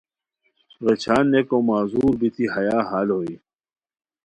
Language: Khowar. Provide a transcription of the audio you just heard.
غیچھان نیکو معذور بیتی ہیا ہال بوئے